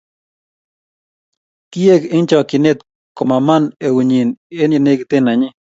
Kiek eng chokchinet komaman eut nyi eng yenekiten nenyin